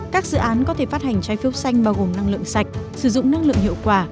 các dự án có thể phát hành trái phiếu xanh bao gồm năng lượng sạch sử dụng năng lượng hiệu quả